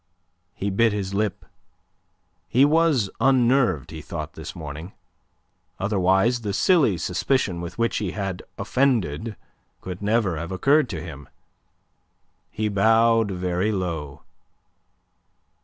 He bit his lip. He was unnerved, he thought, this morning; otherwise the silly suspicion with which he had offended could never have occurred to him. He bowed very low.